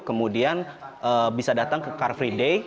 kemudian bisa datang ke car free day